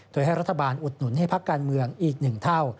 โดยให้รัฐบาลอุดหนุนให้พักการเมืองอีก๑เท่า